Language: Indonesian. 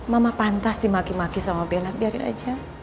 mama pantas dimaki maki sama bela biarin aja